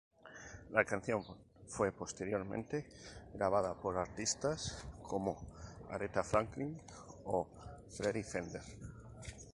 La canción fue posteriormente grabada por artistas como Aretha Franklin o Freddy Fender.